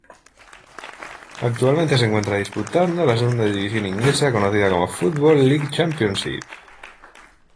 Actualmente se encuentra disputando la segunda división inglesa conocida como Football League Championship.